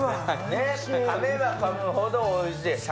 かめばかむほど、おいしい。